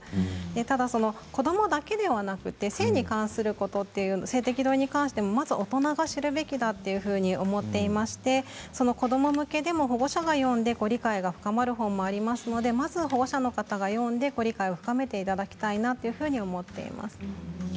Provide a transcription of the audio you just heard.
ただ子どもだけではなくて性に関すること性的同意に関することをまず大人が知ることだと思っていまして子ども向けでも、保護者が読んで理解が深まる本もありますのでまず保護者の方が読んで理解を深めていただきたいなというふうに思っています。